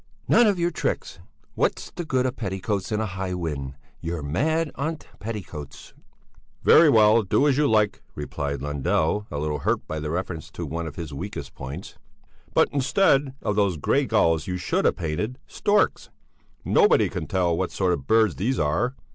"None of your tricks! What's the good of petticoats in a high wind? You're mad on petticoats!" "Very well, do as you like," replied Lundell, a little hurt by the reference to one of his weakest points. "But instead of those grey gulls you should have painted storks. Nobody can tell what sort of birds these are.